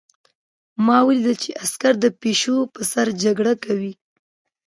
ما ولیدل چې عسکر د پیشو په سر جګړه کوي